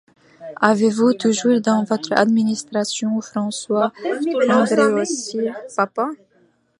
Avez-vous toujours dans votre administration François Andréossy, papa ?